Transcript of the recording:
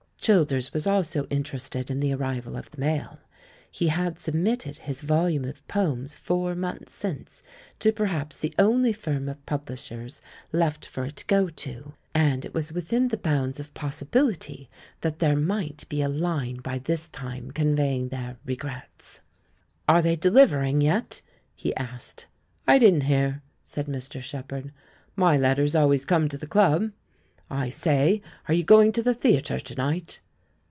Childers was also interested in the arrival of the mail. He had submitted his volume of poems four months since to perhaps the only firm of publishers left for it to go to, and it was within 90 THE MAN WHO UNDERSTOOD WOMEN the bounds of possibility that there might be a Une by this time conveying their "regrets." "Are they dehvering yet?" he asked. "I didn't hear," said Mr. Shepherd; "my let ters always come to the Club. I say, are you going to the theatre to night?"